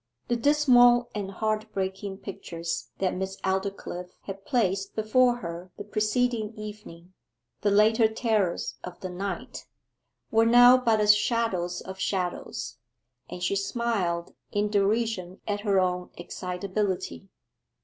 The dismal and heart breaking pictures that Miss Aldclyffe had placed before her the preceding evening, the later terrors of the night, were now but as shadows of shadows, and she smiled in derision at her own excitability.